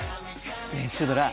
ねえシュドラ。